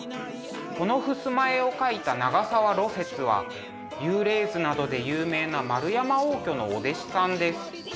この襖絵を描いた長沢芦雪は「幽霊図」などで有名な円山応挙のお弟子さんです。